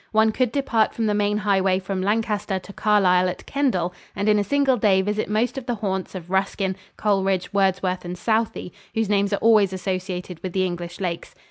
One could depart from the main highway from Lancaster to Carlisle at Kendall and in a single day visit most of the haunts of Ruskin, Coleridge, Wordsworth and Southey, whose names are always associated with the English lakes.